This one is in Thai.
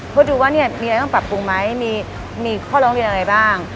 เพิ่มดูว่ามีอะไรต้องปรับปรุงไม่มีข้อเราของเรียนอะไรบ้าง